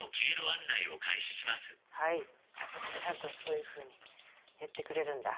はいちゃんとそういうふうに言ってくれるんだ。